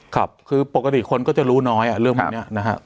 ครับคือปกติคนก็จะรู้น้อยเรื่องพวกนี้นะครับ